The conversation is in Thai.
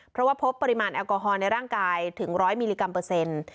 เพราะว่าพบปริมาณแอลกอฮอลในร่างกายถึง๑๐๐มิลลิกรัมเปอร์เซ็นต์